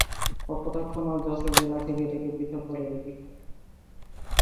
কপোতাক্ষ নদ যশোর জেলা থেকে এটাকে পৃথক করে রেখেছে।